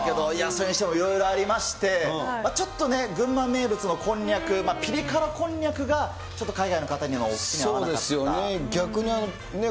それにしてもいろいろありまして、ちょっとね、群馬名物のこんにゃく、ピリ辛こんにゃくが、ちょっと海外の方のそうですよね。